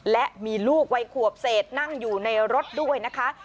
และมีลูกวัยขวบเศษนั่งอยู่ในรถด้วยนะคะ